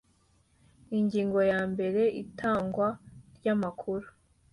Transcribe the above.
Ingingo ya mbere Itangwa ry amakuru